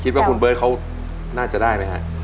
คิดว่าคุณเบิร์ตเขาน่าจะได้ไหมฮะ